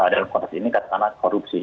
dalam konteks ini katakanlah korupsi